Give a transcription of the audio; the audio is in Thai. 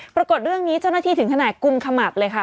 ปรากฏเรื่องนี้เจ้าหน้าที่ถึงขนาดกุมขมับเลยค่ะ